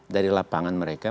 dari lapangan mereka